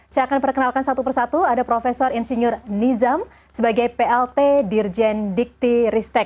saya akan perkenalkan satu persatu ada prof insinyur nizam sebagai plt dirjen dikti ristek